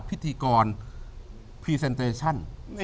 พิธีกรพรีเซนเตชั่น